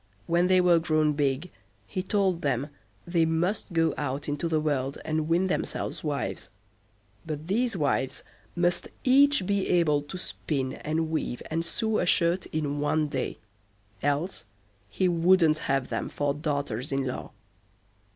When they were grown big he told them they must go out into the world and win themselves wives, but these wives must each be able to spin, and weave, and sew a shirt in one day, else he wouldn't have them for daughters in law.